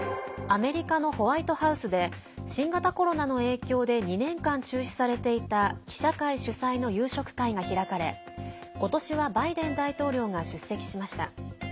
アメリカのホワイトハウスで新型コロナの影響で２年間、中止されていた記者会主催の夕食会が開かれことしはバイデン大統領が出席しました。